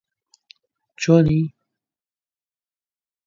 زەبیحی فێرە شەترەنجی کردم و ڕۆژمان پێ ڕادەبوارد